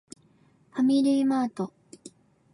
ファミリーマート